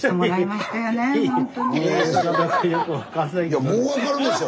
いやもう分かるでしょ。